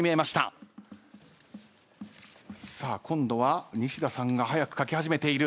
さあ今度は西田さんが早く書き始めている。